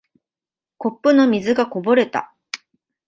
コップの水がこぼれた。